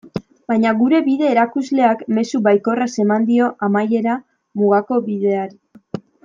Baina gure bide-erakusleak mezu baikorraz eman dio amaiera Mugako Bideari.